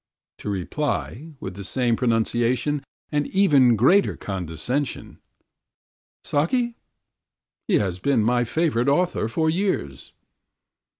to reply, with the same pronunciation and even greater condescension: "Saki! He has been my favourite author for years!"